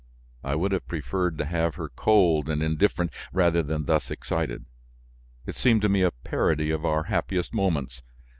I would have preferred to have her cold and indifferent rather than thus excited; it seemed to me a parody of our happiest moments.